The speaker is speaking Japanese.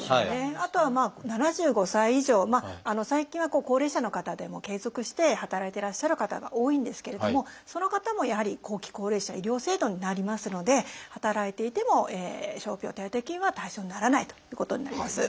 あとはまあ７５歳以上最近は高齢者の方でも継続して働いていらっしゃる方が多いんですけれどもその方もやはり後期高齢者医療制度になりますので働いていても傷病手当金は対象にならないということになります。